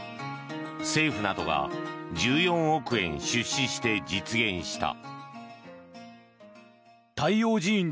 政府などが１４億円出資して実現した。